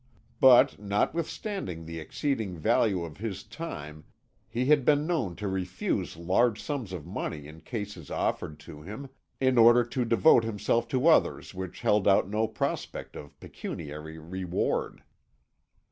But notwithstanding the exceeding value of his time he had been known to refuse large sums of money in cases offered to him, in order to devote himself to others which held out no prospect of pecuniary reward.